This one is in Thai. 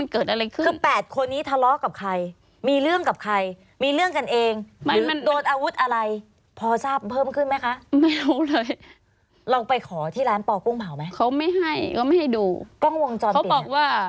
เกิดอะไรขึ้นนั้นคะ